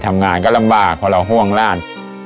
ทำงานก็ลำบากเพราะเราห่วงหลาน